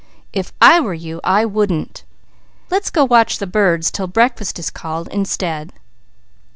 If I were you, I wouldn't! Let's go watch the birds till breakfast is called, instead."